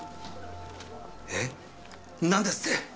えっなんですって！？